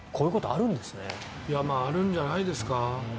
あるんじゃないですか。